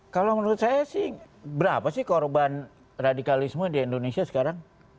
kalau menurut saya sih berapa sih korban radikalisme di indonesia sekarang